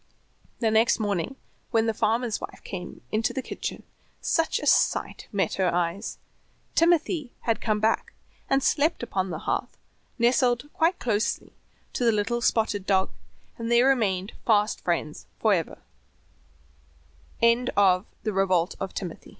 The next morning when the farmer's wife came into the kitchen such a sight met her eyes; Timothy had come back, and slept upon the hearth nestled quite closely to the little spotted dog, and they remained fast friends forever after. [Illustratio